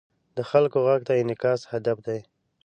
د خلکو غږ ته انعکاس هدف دی.